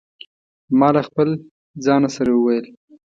ما له خپل ځانه سره وویل.